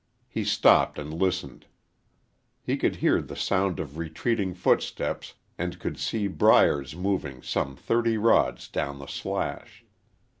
He stopped and listened. He could hear the sound of retreating footsteps and could see briers moving some thirty rods down the slash.